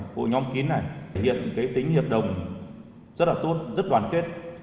bộ nhóm kín này thể hiện tính hiệp đồng rất là tốt rất đoàn kết